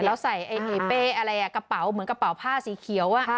แล้วใส่ไอ้เป้อะไรอ่ะกระเป๋าเหมือนกระเป๋าผ้าสีเขียว